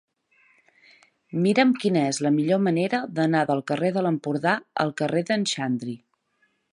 Mira'm quina és la millor manera d'anar del carrer de l'Empordà al carrer d'en Xandri.